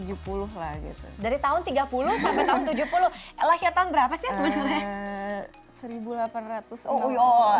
dari tahun tiga puluh sampai tahun tujuh puluh lahir tahun berapa sih sebenarnya